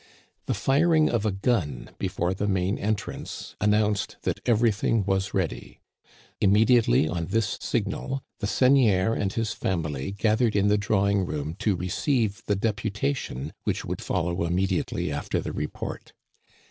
The firing of a gun before the main entrance an nounced that every thing was ready. Immediately on this signal the seigneur and his family gathered in the drawing room to receive the deputation which would follow immediately after the report.